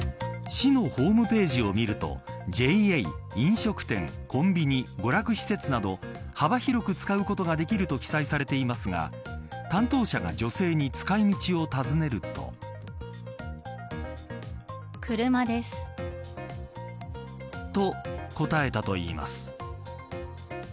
市のホームページを見るとＪＡ、飲食店、コンビニ娯楽施設など幅広く使うことができると記載されていますが担当者が女性に使い道を尋ねると。と、答えたといいます。